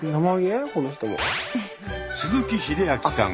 鈴木秀明さん